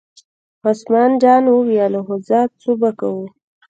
عثمان جان وویل: خو ځه څو به کوو.